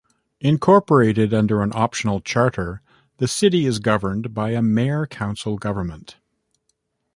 Incorporated under an "optional charter", the city is governed by a mayor-council government.